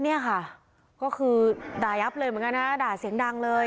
เนี่ยค่ะก็คือด่ายับเลยเหมือนกันนะด่าเสียงดังเลย